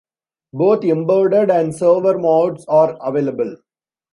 Both embedded and server modes are available.